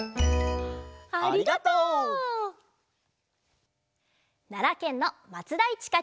ありがとう！ならけんのまつだいちかちゃん４さいから。